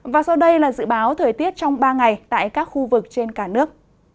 và sau đây là dự báo thời tiết trong ba ngày tại các khu vực trên cả nước